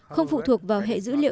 không phụ thuộc vào hệ dữ liệu